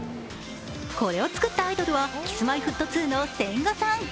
これを作ったアイドルはＫｉｓ−Ｍｙ−Ｆｔ２の千賀さん。